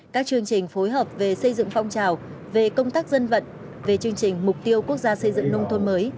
các chương trình phối hợp về xây dựng phong trào về công tác dân vận về chương trình mục tiêu quốc gia xây dựng nông thôn mới